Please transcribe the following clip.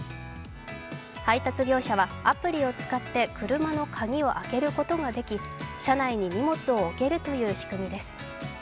配達業者はアプリを使って車の鍵を開けることができ車内に荷物を置けるという仕組みです。